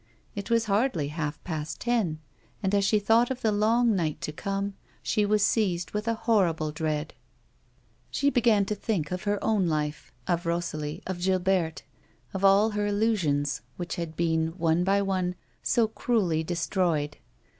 It was hardly half past ten, and as she thought of the long night tc come, she was seized with a horrible dread. She began to think of her own life — of Rosalie, of Gilberte — of all her illusions which had been, one by one, so cruelly destroyed.